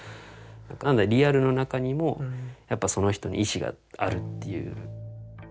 なのでリアルの中にもやっぱその人に意思があるっていう。